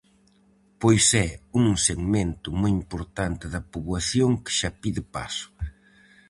Pois é un segmento moi importante da poboación que xa pide paso.